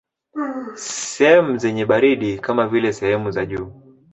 Sehemu zenye baridi kama vile sehemu za juu